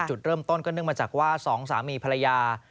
จุดเริ่มต้นก็เนื่องมาจากว่าสองสามีภรรยา